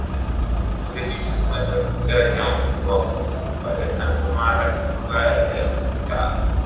Kudhibiti ugonjwa wa kichaa cha mbwa kwa kupata chanjo mara tu baada ya kungatwa